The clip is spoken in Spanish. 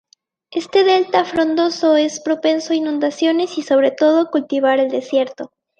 Este delta frondoso es propenso a inundaciones y sobre todo cultivar el desierto.